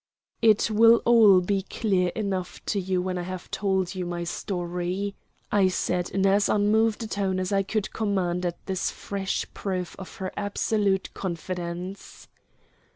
"It will all be clear enough to you when I have told you my story," I said in as unmoved a tone as I could command at this fresh proof of her absolute confidence.